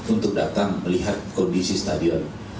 untuk datang melihat kondisi stadion